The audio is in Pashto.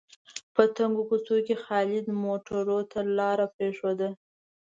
په تنګو کوڅو کې خالد موټرو ته لاره پرېښوده.